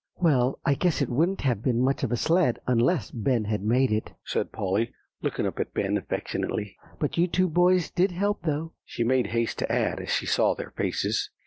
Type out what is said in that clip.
"Well, I guess it wouldn't have been much of a sled unless Ben had made it," said Polly, looking up at Ben affectionately. "But you two boys did help, though," she made haste to add, as she saw their faces.